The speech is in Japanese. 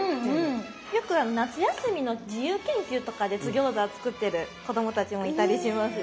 よく夏休みの自由研究とかで津ぎょうざを作ってる子供たちもいたりしますよ。